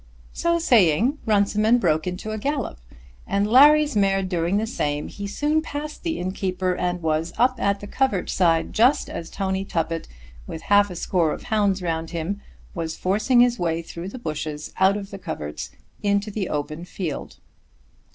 So saying, Runciman broke into a gallop, and Larry's mare doing the same, he soon passed the innkeeper and was up at the covert side just as Tony Tuppett with half a score of hounds round him, was forcing his way through the bushes, out of the coverts into the open field.